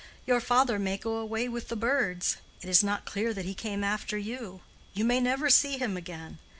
Your father may go away with the birds. It is not clear that he came after you; you may never see him again.